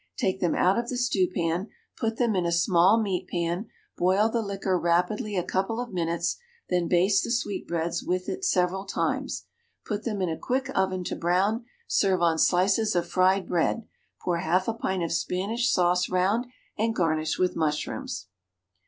Take them out of the stewpan, put them in a small meat pan, boil the liquor rapidly a couple of minutes, then baste the sweetbreads with it several times; put them in a quick oven to brown; serve on slices of fried bread, pour half a pint of Spanish sauce round, and garnish with mushrooms.